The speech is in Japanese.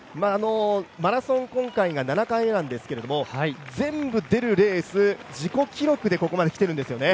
マラソン、今回が７回目なんですけれども、全部出るレース自己記録でここまで来ているんですよね。